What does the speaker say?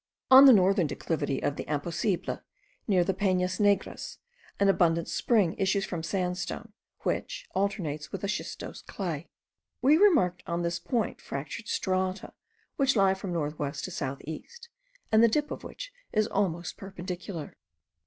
On the northern declivity of the Imposible, near the Penas Negras, an abundant spring issues from sandstone, which alternates with a schistose clay. We remarked on this point fractured strata, which lie from north west to south east, and the dip of which is almost perpendicular.